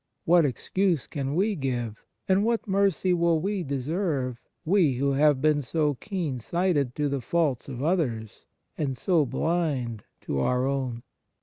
What excuse can we give, and what mercy will we deserve we who have been so keen sighted to the faults of others, and so blind to our own